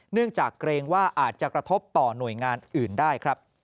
เนื่องจากเกรงว่าอาจจะกระทบต่อหน่วยงานอื่นได้ครับ